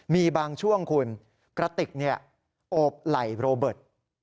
มีบางช่วงคุณกระติกโอบไหล่โรเบิร์ต